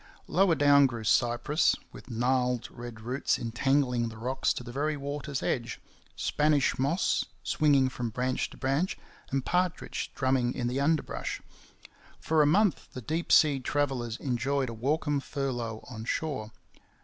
Lower down grew cypress, with gnarled red roots entangling the rocks to the very water's edge, Spanish moss swinging from branch to branch, and partridge drumming in the underbrush. For a month the deep sea travellers enjoyed a welcome furlough on shore.